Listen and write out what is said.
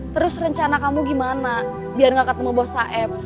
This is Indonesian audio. terus rencana kamu gimana biar gak ketemu bos aem